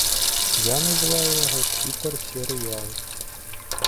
Я называю яго твітэр-серыял.